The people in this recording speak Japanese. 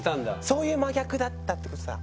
そういう真逆だったってことだ。